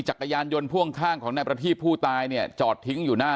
จักรยานยนต์พ่วงข้างของนายประทีบผู้ตายเนี่ยจอดทิ้งอยู่หน้า